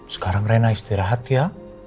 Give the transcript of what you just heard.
sekarang rena istirahat ya